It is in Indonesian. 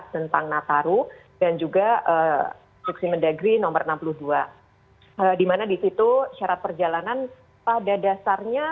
dua puluh empat tentang nataru dan juga sukses mendagri nomor enam puluh dua dimana disitu syarat perjalanan pada dasarnya